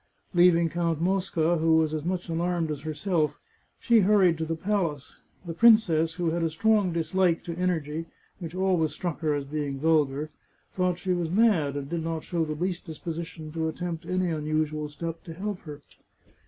Leaving Count Mosca, who was as much alarmed as herself, she hurried to the palace. The princess, who had a strong dislike to en ergy, which always struck her as being vulgar, thought she was mad, and did not show the least disposition to attempt any unusual step to help her.